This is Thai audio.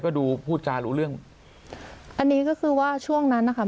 ก็ดูพูดจารู้เรื่องอันนี้ก็คือว่าช่วงนั้นนะคะ